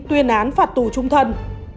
tuyên án phạt tù trung thân